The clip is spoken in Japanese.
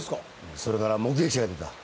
それから目撃者が出た。